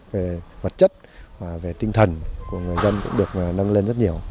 về vật chất về tinh thần của người dân cũng được nâng lên